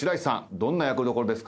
どんな役どころですか？